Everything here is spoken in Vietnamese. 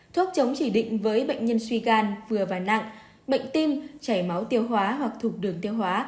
thuốc chống chỉ định với bệnh nhân suy gan vừa và nặng bệnh tim chảy máu tiêu hóa hoặc thục đường tiêu hóa